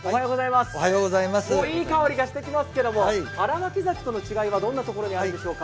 いい香りがしてきますけれども、新巻鮭との違いはどこにあるんでしょうか。